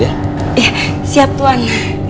iya siap tuhan